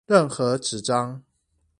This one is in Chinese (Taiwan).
任何紙張